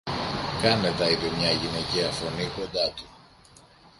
Κάνε τα, είπε μια γυναικεία φωνή κοντά του.